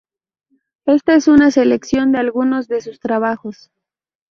Esta es una selección de algunos de sus trabajos.